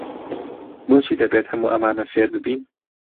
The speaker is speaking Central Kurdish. بۆچی دەبێت هەموو ئەمانە فێر ببین؟